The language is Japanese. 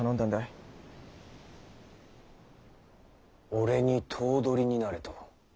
俺に頭取になれと？